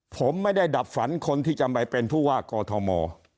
ผมไม่ได้ดับฝันคนที่จะไปเป็นผู้ว่ากอทม